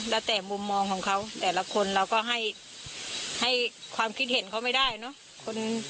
แล้วแต่มุมมองของเขาแต่ละคนเราก็ให้ความคิดเห็นเขาไม่ได้เนอะ